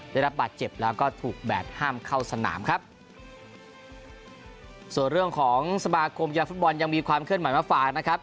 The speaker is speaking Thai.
ได้รับบาดเจ็บแล้วก็ถูกแบดห้ามเข้าสนามครับส่วนเรื่องของสมาคมกีฬาฟุตบอลยังมีความเคลื่อนไหวมาฝากนะครับ